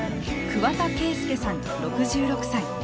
桑田佳祐さん、６６歳。